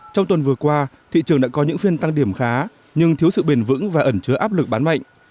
trong tuần vừa qua thị trường đã có những phiên tăng điểm khá nhưng thiếu sự bền vững và ẩn chứa áp lực bán mạnh